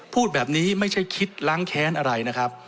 พูดแบบนี้ไม่ใช่คิดล้างแค้นอะไรนะครับ